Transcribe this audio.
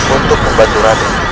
untuk membantu raden